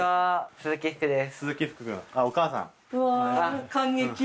鈴木福です。